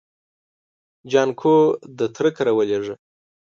جانکو د تره کره ولېږه.